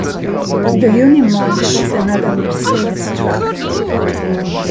The Unimog is another Mercedes truck.